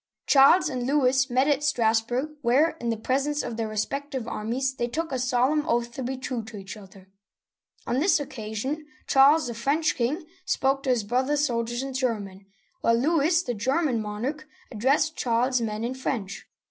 Charles and Louis met at Strassburg, where, in the presence of their respective armies, they took a solemn oath to be true to each other. On this occasion Charles, the French king, spoke to his brother's soldiers in German, Digitized by Google 90 OLD FRANCE while Louis, the German monarch, addressed Charles's men in French.